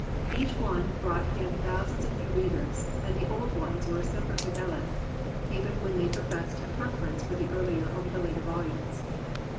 Each one brought him thou sands of new readers, and the old ones were semper fidelesy even when they professed a preference for the earlier over the later volumes.